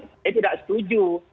saya tidak setuju